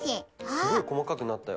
すごいこまかくなったよ。